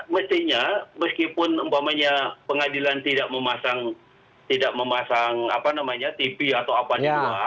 mestinya meskipun umpamanya pengadilan tidak memasang tv atau apa di luar